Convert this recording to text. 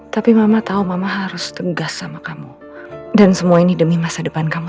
tapi mama tau mama harus tegas sama kamu